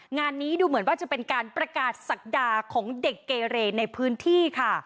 งานนี้ดูเหมือนว่าจะเป็นการประกาศศักดาของเด็กเกเรในพื้นที่ค่ะ